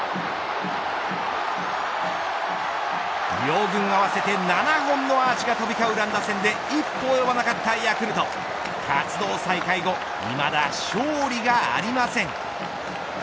両軍合わせて７本のアーチが飛び交う乱打戦で一歩及ばなかったヤクルト活動再開後いまだ勝利がありません。